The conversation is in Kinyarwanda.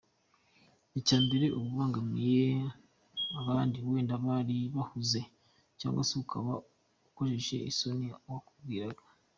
Icya mbere uba ubangamiye abandi wenda bari bahuze cyangwa se ukaba ukojeje isoni uwakubwiraga.